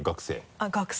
あっ学生。